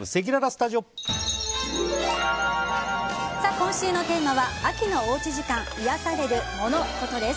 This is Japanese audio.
今週のテーマは秋のおうち時間いやされるモノ・コトです。